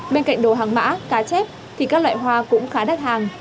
bên cạnh đồ hàng mã cá chép thì các loại hoa cũng khá đắt hàng